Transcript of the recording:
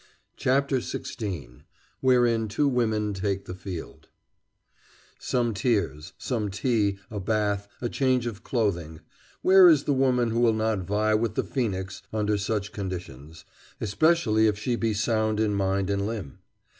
CHAPTER XVI WHEREIN TWO WOMEN TAKE THE FIELD Some tears, some tea, a bath, a change of clothing where is the woman who will not vie with the Phoenix under such conditions, especially if she be sound in mind and limb?